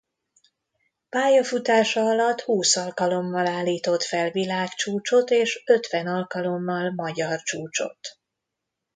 Pályafutása alatt húsz alkalommal állított fel világcsúcsot és ötven alkalommal magyar csúcsot.